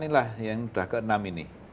nah ini sudah ke enam ini